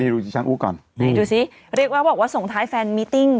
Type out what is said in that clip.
ดูที่ฉันอู้ก่อนนี่ดูสิเรียกว่าบอกว่าส่งท้ายแฟนมิติ้ง